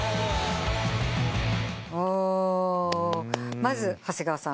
まず長谷川さん。